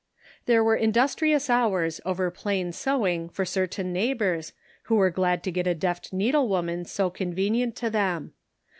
There were industrious hours over plain sewing for certain neighbors, who were glad to get a deft needle woman so con venient to them.